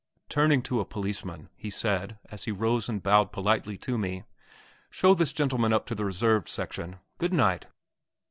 Turning to a policeman, he said, as he rose and bowed politely to me, "Show this gentleman up to the reserved section. Good night!"